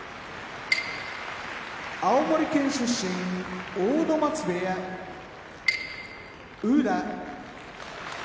青森県出身阿武松部屋宇良